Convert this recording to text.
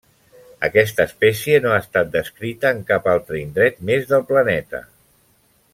Aquesta espècie no ha estat descrita en cap altre indret més del planeta.